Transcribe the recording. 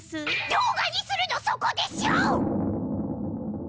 動画にするのそこでしょ！